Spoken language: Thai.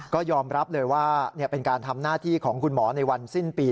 ก็ยอมรับเลยว่าเป็นการทำหน้าที่ของคุณหมอในวันสิ้นปี